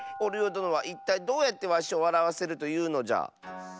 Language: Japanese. どのはいったいどうやってわしをわらわせるというのじゃ？